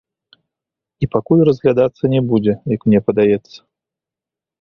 І пакуль разглядацца не будзе, як мне падаецца.